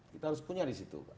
kita harus punya disitu